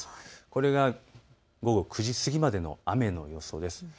これが午後９時過ぎまでの雨の予想です。